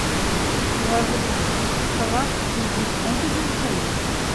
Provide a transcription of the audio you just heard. Шуларҙы бит ҡупшылап «бизнесмен» тип йөрөтәләр.